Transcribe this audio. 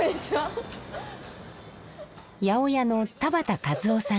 八百屋の田端和男さん。